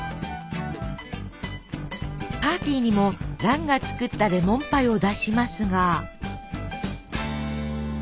パーティーにも蘭が作ったレモンパイを出しますが。